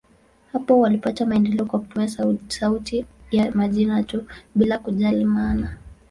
Hapo walipata maendeleo kwa kutumia sauti ya majina tu, bila kujali maana.